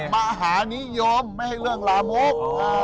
มหานิยมไม่ให้เรื่องลามก